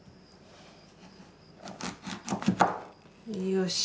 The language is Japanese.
よし。